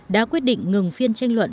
đã quyết định ngừng phiên tranh luận